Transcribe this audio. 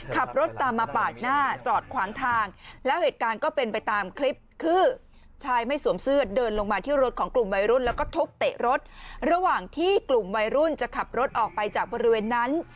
ขับรถตามมาปาดหน้าจอดขวางทางแล้วเหตุการณ์ก็เป็นไปตามคลิปคือชายไม่สวมเสื้อเดินลงมาที่รถของกลุ่มวัยรุ่นแล้วก็ทุบเตะรถระหว่างที่กลุ่มวัยรุ่นจะขับรถออกไปจากบริเวณนั้น